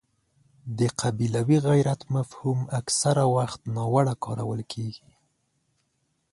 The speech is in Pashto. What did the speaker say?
د قبیلوي غیرت مفهوم اکثره وخت ناوړه کارول کېږي.